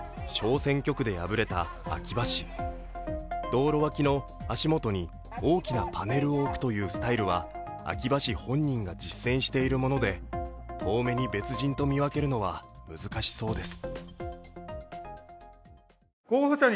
道路脇の足元に大きなパネルを置くというスタイルは、秋葉氏本人が実践しているもので遠目に別人と見分けるのは難しそうです。